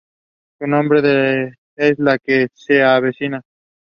It is the end of the Saronno–Novara railway.